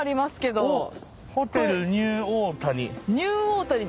「ホテルニューオータニ」